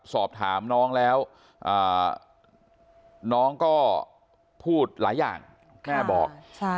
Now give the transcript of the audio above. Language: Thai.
สอบถามน้องแล้วน้องก็พูดหลายอย่างแม่บอก